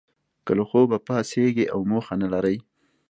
که له خوبه پاڅیږی او موخه نه لرئ